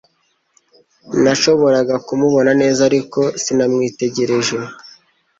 Nashoboraga kumubona neza ariko sinamwitegereje